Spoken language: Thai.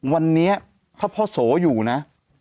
วันนี้ถ้าพ่อโสอยู่นะ